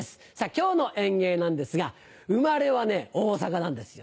今日の演芸なんですが生まれは大阪なんですよ。